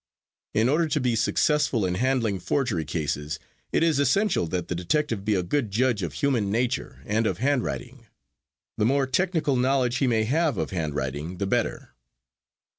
In order to be successful in handling forgery cases it is essential that the detective be a good judge of human nature and of handwriting. The more technical knowledge he may have of handwriting the better.